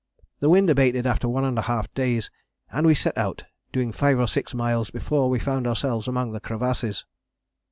The wind abated after 1½ days and we set out, doing five or six miles before we found ourselves among crevasses."